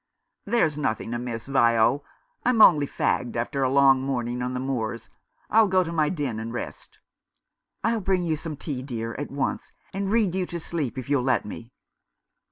"There's nothing amiss, Vio. I'm only fagged after a long morning on the moors. I'll go to my den and rest." " I'll bring you some tea, dear, at once, and read you asleep if you'll let me."